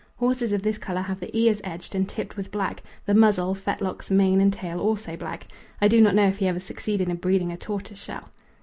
Horses of this colour have the ears edged and tipped with black, the muzzle, fetlocks, mane, and tail also black. I do not know if he ever succeeded in breeding a tortoiseshell.